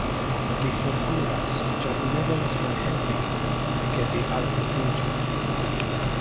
Mi forkuras; ĉar mi ne volas malhelpi, ke vi altabliĝu.